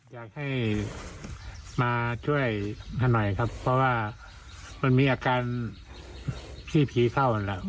อยากให้มาช่วยหน่อยครับเพราะว่ามีอาการที่ผีเข้า